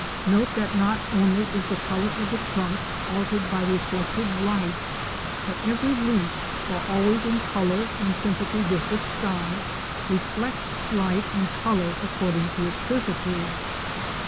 Note that not only is the colour of the trunk altered by reflected light, but every leaf, while always in colour in sympathy with the sky, reflects light and colour according to its surfaces.